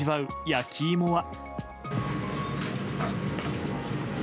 焼き芋は。